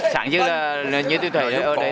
sẵn chứ là như tôi thấy ở đây